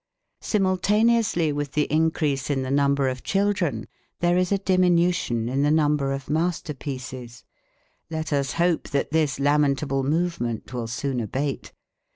Simultaneously with the increase in the number of children, there is a diminution in the number of masterpieces. Let us hope that this lamentable movement will soon abate.